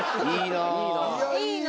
いいな。